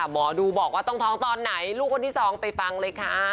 หมอดูบอกว่าต้องท้องตอนไหนลูกคนที่สองไปฟังเลยค่ะ